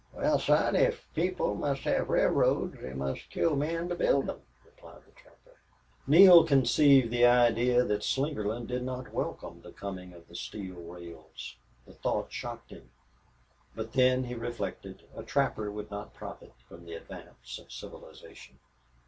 "Wal, son, if people must hev railroads, they must kill men to build them," replied the trapper. Neale conceived the idea that Slingerland did, not welcome the coming of the steel rails. The thought shocked him. But then, he reflected, a trapper would not profit by the advance of civilization.